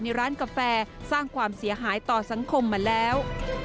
ร้านกาแฟสร้างความเสียหายต่อสังคมมาแล้ว